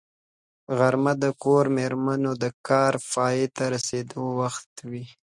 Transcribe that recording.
غرمه د کور مېرمنو د کار پای ته رسېدو وخت وي